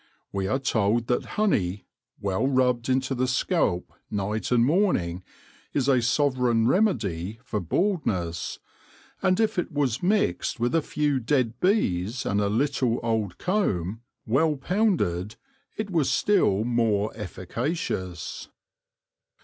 We are told that honey, well rubbed into the scalp night and morning, is a sovereign remedy for baldness, and if it was mixed with a few dead bees and a little old comb, well pounded, it was still more efficacious.